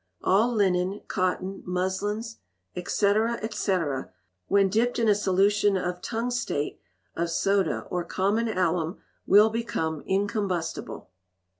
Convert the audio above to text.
All linen, cotton, muslins, &c., &c., when dipped in a solution of tungstate of soda or common alum, will become incombustible.